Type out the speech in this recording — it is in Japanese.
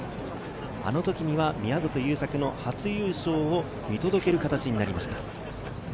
あの時には宮里優作の初優勝を見届ける形になりました。